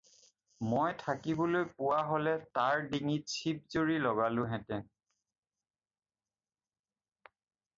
মই থাকিবলৈ পোৱা হ'লে তাৰ ডিঙিত চিপজৰী লগালোঁহেঁতেন।